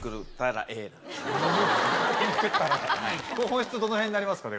本質どの辺になりますか？